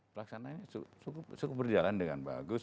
pelaksanaannya cukup berjalan dengan bagus